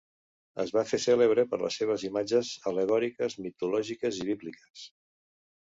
Es va fer cèlebre per les seves imatges al·legòriques, mitològiques i bíbliques.